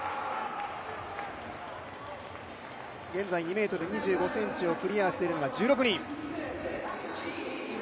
現在２ｍ２５ｃｍクリアしているのが１６人。